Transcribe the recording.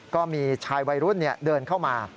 ก็มีชายวัยรุ่นเดินเข้ามา